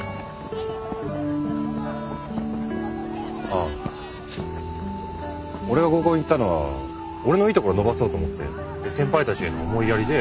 ああ俺が合コン行ったのは俺のいいところ伸ばそうと思って先輩たちへの思いやりで。